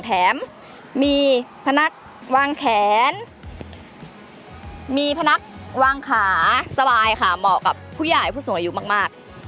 แถมมีพนักวางแขนมีพนักวางขาสบายค่ะเหมาะกับผู้ใหญ่ผู้สูงอายุมาก